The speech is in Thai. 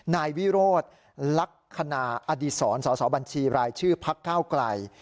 นายวิโรธลักษณะอดีศรสอสอบัญชีรายชื่อพักเก้าไกล